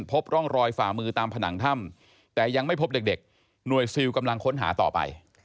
พบร่องรอยฝ่ามือตามผนังถ้ำแต่ยังไม่พบเด็กหน่วยซิลกำลังค้นหาต่อไป